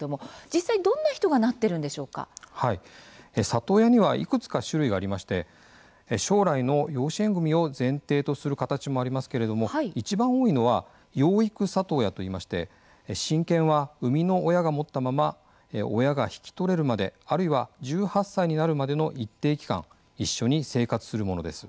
里親にはいくつか種類がありまして将来の養子縁組を前提とする形もありますけれども一番多いのは養育里親といいまして親権は生みの親が持ったまま親が引き取れるまであるいは１８歳になるまでの一定期間一緒に生活するものです。